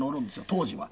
当時は。